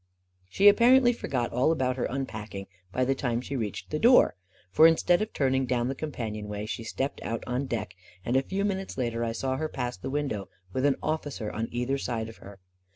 She apparently forgot all about her unpacking by the time she reached the door, for instead of turning down the companionway, she stepped out on deck, and a few minutes later I saw her pass the window with an officer on either side of her.